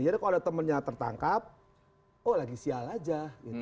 jadi kalau ada temennya tertangkap oh lagi sial aja